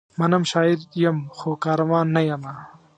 منم، شاعر یم؛ خو کاروان نه یمه